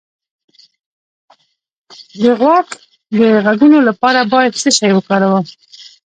د غوږ د غږونو لپاره باید څه شی وکاروم؟